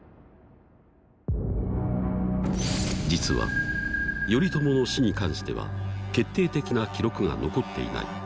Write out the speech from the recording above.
実は頼朝の死に関しては決定的な記録が残っていない。